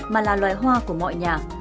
mà là loài hoa của mọi nhà